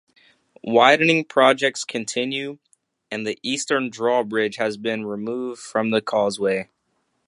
Widening projects continue, and the eastern draw bridge has been removed from the causeway.